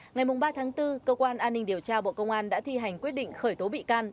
ngày ba tháng bốn cơ quan an ninh điều tra bộ công an đã thi hành quyết định khởi tố bị can